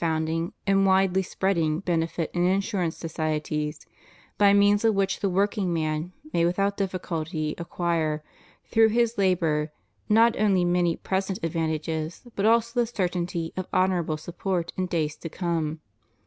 243 founding and widely spreading benefit and insurance societies, by means of which the workingman may without difficulty acquire, through his labor, not only many present advantages but also the certainty of honorable support in days to come.